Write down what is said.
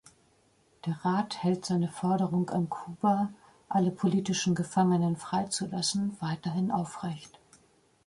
Der Rat hält seine Forderung an Kuba, alle politischen Gefangenen freizulassen, weiterhin aufrecht.